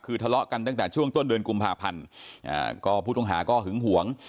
คือทะเลาะกันตั้งแต่ช่วงต้นเดือนกุมภาพันธ์ก็ผู้ต้องหาก็หึงหวง